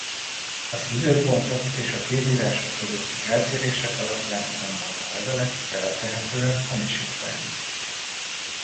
Az időpontok és a kézírások közötti eltérések alapján azonban a levelek feltehetően hamisítványok.